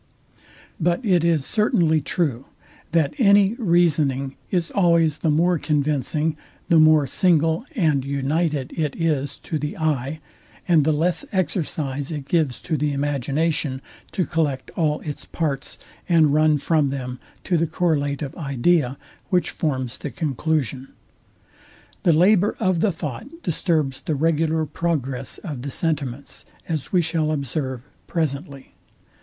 But it is certainly true, that any reasoning is always the more convincing, the more single and united it is to the eye, and the less exercise it gives to the imagination to collect all its parts, and run from them to the correlative idea, which forms the conclusion. The labour of the thought disturbs the regular progress of the sentiments, as we shall observe presently.